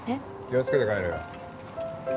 気をつけて帰れよ。